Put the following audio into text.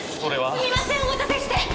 すみませんお待たせして！